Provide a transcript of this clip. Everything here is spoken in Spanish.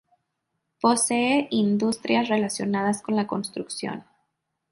Posee industrias relacionadas con la construcción.